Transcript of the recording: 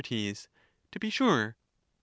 To be sure. Sir.